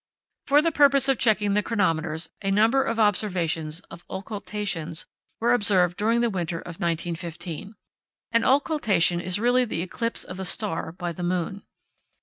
For the purpose of checking the chronometers a number of observations of occultations were observed during the winter of 1915. An occultation is really the eclipse of a star by the moon.